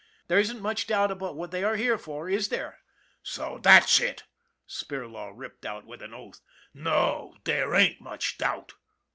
There isn't much doubt about what they are here for, is there? "" So that's it, is it? " Spirlaw ripped out with an oath. " No, there ain't much doubt